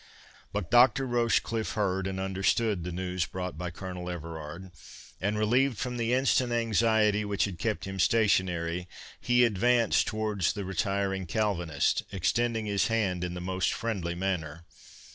But Dr. Rochecliffe heard and understood the news brought by Colonel Everard, and, relieved from the instant anxiety which had kept him stationary, he advanced towards the retiring Calvinist, extending his hand in the most friendly manner.